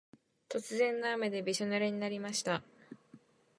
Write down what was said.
突然の雨でびしょぬれになりました。